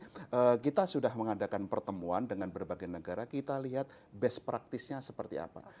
jadi kita sudah mengadakan pertemuan dengan berbagai negara kita lihat best practice nya seperti apa